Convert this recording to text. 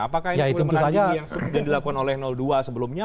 apakah ini yang dilakukan oleh dua sebelumnya